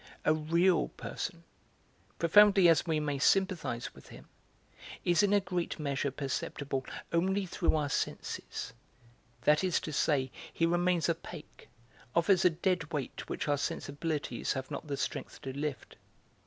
A 'real' person, profoundly as we may sympathise with him, is in a great measure perceptible only through our senses, that is to say, he remains opaque, offers a dead weight which our sensibilities have not the strength to lift.